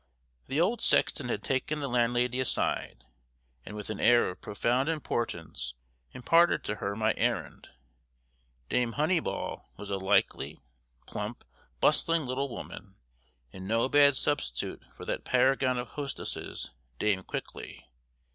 The old sexton had taken the landlady aside, and with an air of profound importance imparted to her my errand. Dame Honeyball was a likely, plump, bustling little woman, and no bad substitute for that paragon of hostesses, Dame Quickly.